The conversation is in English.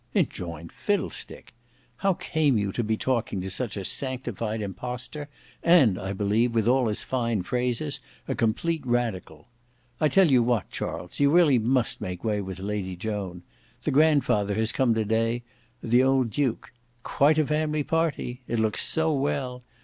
"Enjoin fiddle stick! How came you to be talking to such a sanctified imposter; and, I believe, with all his fine phrases, a complete radical. I tell you what, Charles, you must really make way with Lady Joan. The grandfather has come to day, the old Duke. Quite a family party. It looks so well.